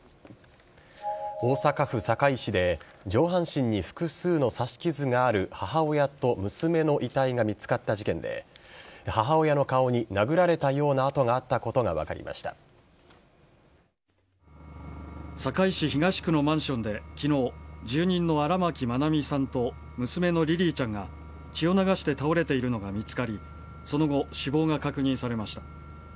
大阪府堺市で上半身に複数の刺し傷がある母親と娘の遺体が見つかった事件で母親の顔に殴られたような痕があったことが堺市東区のマンションで昨日住人の荒牧愛美さんと娘のリリィちゃんが血を流して倒れているのが見つかりその後、死亡が確認されました。